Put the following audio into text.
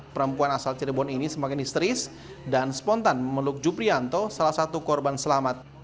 perempuan asal cirebon ini semakin histeris dan spontan memeluk juprianto salah satu korban selamat